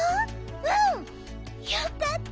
うん！よかった！